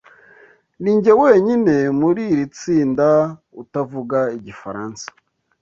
Ninjye wenyine muri iri tsinda utavuga igifaransa.